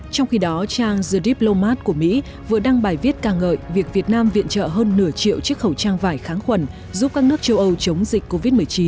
trong khi đó trang jeep lomart của mỹ vừa đăng bài viết ca ngợi việc việt nam viện trợ hơn nửa triệu chiếc khẩu trang vải kháng khuẩn giúp các nước châu âu chống dịch covid một mươi chín